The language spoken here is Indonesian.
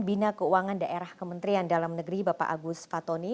bina keuangan daerah kementerian dalam negeri bapak agus fatoni